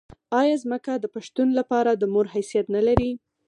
آیا ځمکه د پښتون لپاره د مور حیثیت نلري؟